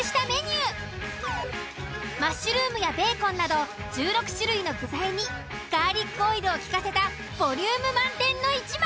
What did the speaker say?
マッシュルームやベーコンなど１６種類の具材にガーリックオイルをきかせたボリューム満点の１枚。